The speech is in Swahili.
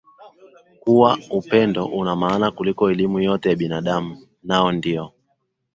kuwa Upendo una maana kuliko elimu yote ya binadamu nao ndio